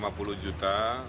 penduduk lima puluh juta